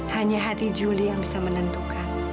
hanya hati juli yang bisa menentukan